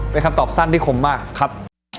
เป็นคำตอบสั้นที่คมมากครับ